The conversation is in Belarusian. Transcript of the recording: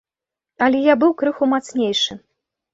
Але я быў крыху мацнейшы.